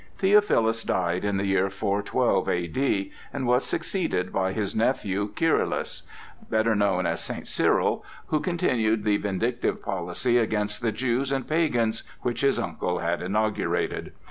Theophilus died in the year 412 A.D., and was succeeded by his nephew Kyrillos, better known as St. Cyril, who continued the vindictive policy against the Jews and pagans which his uncle had inaugurated.